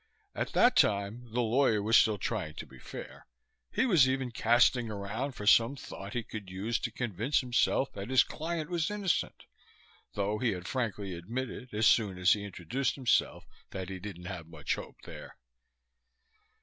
At that time the lawyer was still trying to be fair. He was even casting around for some thought he could use to convince himself that his client was innocent, though he had frankly admitted as soon as he introduced himself that he didn't have much hope there.